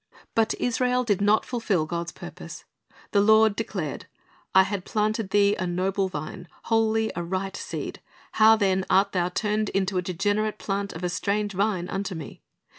But Israel did not fulfil God's purpose. The Lord declared, "I had planted thee a noble vine, wholly a right seed: how then art thou turned into the degenerate plant of a strange vine unto Me?"